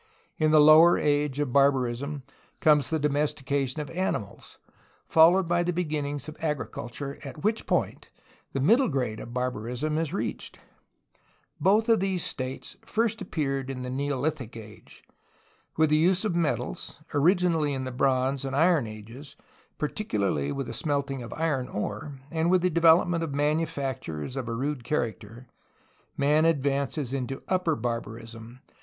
In the lower age of barbarism comes the domestication of animals, followed by the beginnings of agriculture, at which point the middle grade of barbarism is reached. Both of these states first appeared in the neolithic age. With the use of metals, originally in the bronze and iron ages, particularly with the smelting of iron ore, and with the development of manufactures of a rude character, man advances into upper barbarism.